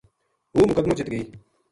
ہوں مقدمو جیت گئی